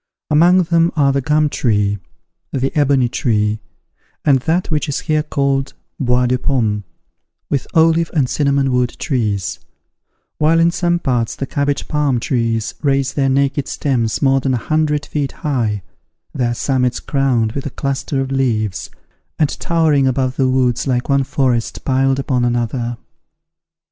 Among them are the gum tree, the ebony tree, and that which is here called bois de pomme, with olive and cinnamon wood trees; while in some parts the cabbage palm trees raise their naked stems more than a hundred feet high, their summits crowned with a cluster of leaves, and towering above the woods like one forest piled upon another.